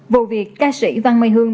vụ việc ca sĩ văn mây hương